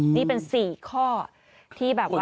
นี่เป็น๔ข้อที่แบบว่า